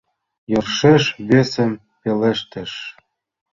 Йӧршеш весым пелештыш.